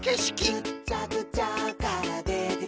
「ぐっちゃぐちゃからでてきたえ」